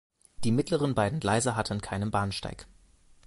Die mittleren beiden Gleise hatten keinen Bahnsteig.